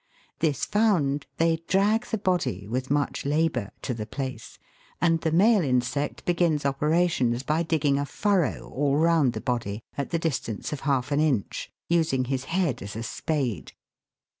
This found, they drag the body with much labour to the place, and the male insect begins operations by digging a furrow all round the body at the distance of half an inch, using his head as a spade.